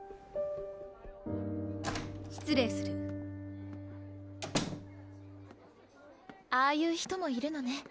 失礼するああいう人もいるのね